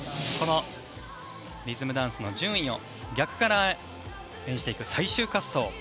このリズムダンスの順位を逆から演じていく最終滑走